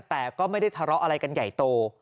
แต่ก็ไม่ได้ทะเลาะอะไรกันใหญ่โต